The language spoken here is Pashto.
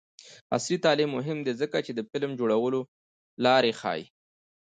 عصري تعلیم مهم دی ځکه چې د فلم جوړولو لارې ښيي.